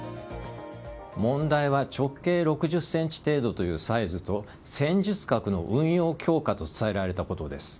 問題は直径６０ｃｍ程度というサイズと戦術核の運用強化と伝えられたことです。